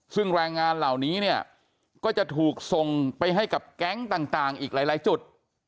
ซึ่งแรงงานเหล่านี้เนี่ยก็จะถูกส่งไปให้กับแก๊งต่างอีกหลายจุด